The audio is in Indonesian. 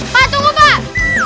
pak tunggu pak